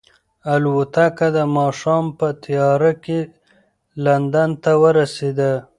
الوتکه د ماښام په تیاره کې لندن ته ورسېده.